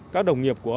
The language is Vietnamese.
các đồng nghiệp của ông